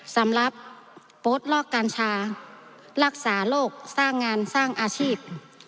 สำหรับโป๊ดลอกกัญชารักษาโรคสร้างงานสร้างอาชีพ